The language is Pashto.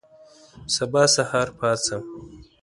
سبا سهار پاڅم